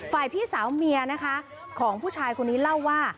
พี่สาวเมียนะคะของผู้ชายคนนี้เล่าว่า